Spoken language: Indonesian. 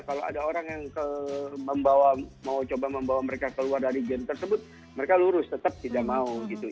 kalau ada orang yang mau coba membawa mereka keluar dari game tersebut mereka lurus tetap tidak mau gitu